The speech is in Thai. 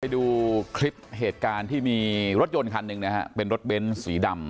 ดูคลิปเหตุการณ์ที่มีรถยนต์คันหนึ่งนะฮะเป็นรถเบ้นสีดำ